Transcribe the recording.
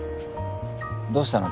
どうしたの？